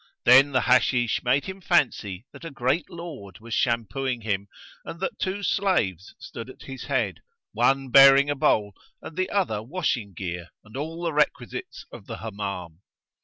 Then the Hashish made him fancy that a great lord was shampooing him and that two slaves stood at his head, one bearing a bowl and the other washing gear and all the requisites of the Hammam.